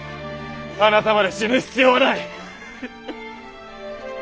あなたまで死ぬ必要はない。